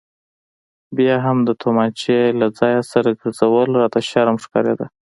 بیا هم د تومانچې له ځانه سره ګرځول راته شرم ښکارېده.